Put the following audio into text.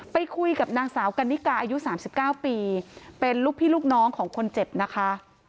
ไปคุยกับนางสาวกันนิกาอายุ๓๙ปีเป็นลูกพี่ลูกน้องของคนเจ็บนะคะ